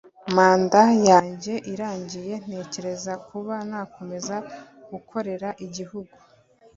manda yanjye irangiye ntekereza kuba nakomeza gukorera igihugu